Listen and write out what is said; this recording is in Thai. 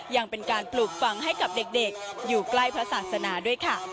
ยังเป็นการปลูกฝังให้กับเด็กอยู่ใกล้พระศาสนาด้วยค่ะ